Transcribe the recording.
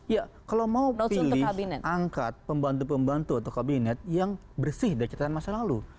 ya kalau mau pilih angkat pembantu pembantu atau kabinet yang bersih dari catatan masa lalu